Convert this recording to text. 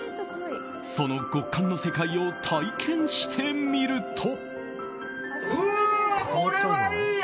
その極寒の世界を体験してみると。